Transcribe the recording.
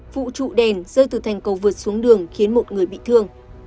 vụ trụ đèn rơi từ thành cầu vượt xuống đường khiến một người bị thương